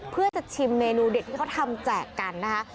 เพื่อจะชิมเมนูเด็ดที่เขาทำแจกกันนะคะ